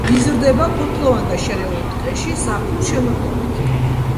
იზრდება ფოთლოვან და შერეულ ტყეში ზაფხულ-შემოდგომით.